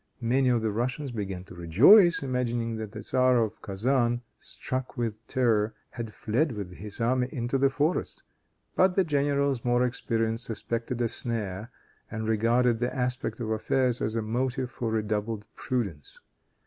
Many of the Russians began to rejoice, imagining that the tzar of Kezan, struck with terror, had fled with all his army into the forest. But the generals, more experienced, suspected a snare, and regarded the aspect of affairs as a motive for redoubled prudence.